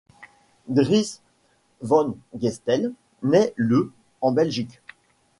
Dries Van Gestel naît le en Belgique.